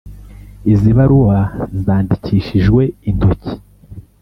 Izi baruwa zandikishijwe intoki